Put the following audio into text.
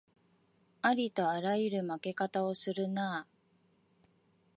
ありとあらゆる負け方をするなあ